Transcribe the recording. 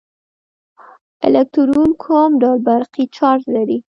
الکترون کوم ډول برقي چارچ لري.